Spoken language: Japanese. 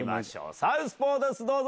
サウスポーです、どうぞ。